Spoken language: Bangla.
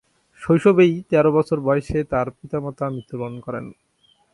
শৈশবেই তের বছর বয়সে তার পিতা-মাতা মৃত্যুবরণ করেন।